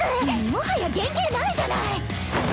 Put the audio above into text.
もはや原形ないじゃない！